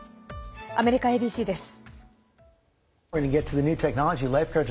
アメリカＡＢＣです。